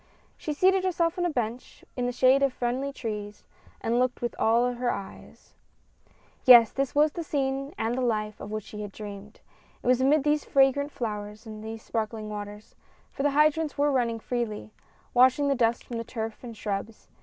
She seated herself on a bench in the shade of friendly trees, and looked with all her eyes. 70 MADEMOISELLE BESLIN. Yes, this was the scene and the life of which she had dreamed ! It was amid these fragrant flowers and ' these sparkling waters — for the hydrants were running freely — washing the dust from the turf and shrubs.